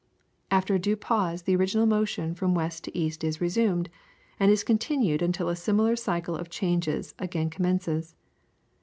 After a due pause the original motion from west to east is resumed, and is continued until a similar cycle of changes again commences.